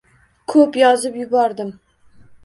Ko‘p yozib yubordim.